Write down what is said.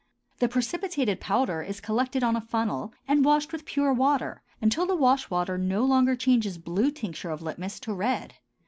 The precipitated powder is collected on a funnel and washed with pure water until the wash water no longer changes blue tincture of litmus to red.